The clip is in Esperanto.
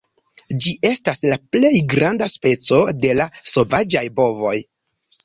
Ĝi estas la plej granda speco de la sovaĝaj bovoj.